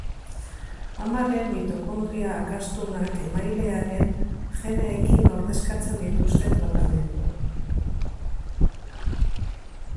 Amaren mitokondria akastunak emailearen geneekin ordezkatzen dituzte tratamenduan.